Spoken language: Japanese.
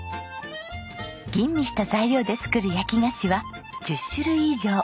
吟味した材料で作る焼き菓子は１０種類以上。